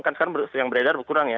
kan sekarang yang beredar berkurang ya